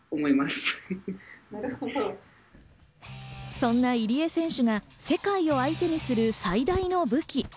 そんな入江選手が世界を相手にする最大の武器。